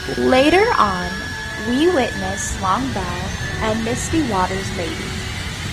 Later on, we witness Longbow and Misty-Water's mating.